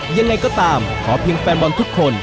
ยังไงก็ตามขอเพียงแฟนบอลทุกคน